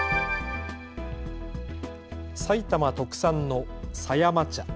埼玉特産の狭山茶。